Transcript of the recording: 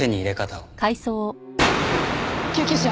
救急車！